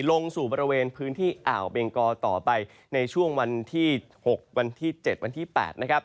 ลงสู่บริเวณพื้นที่อ่าวเบงกอต่อไปในช่วงวันที่๖วันที่๗วันที่๘นะครับ